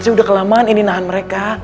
saya udah kelamaan ini nahan mereka